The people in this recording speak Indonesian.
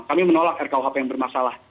kami menolak rkuhp yang bermasalah